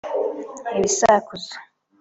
ibisakuzo